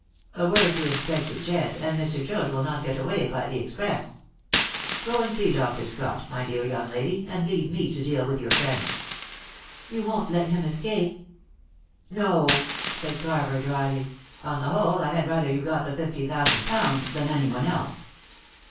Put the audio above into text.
A word to Inspector Jedd, and Mr. Joad will not get away by the express. Go and see Dr. Scott, my dear young lady, and leave me to deal with your friend." "You won't let him escape?" "No," said Carver dryly. "On the whole, I had rather you got the fifty thousand pounds than anyone else."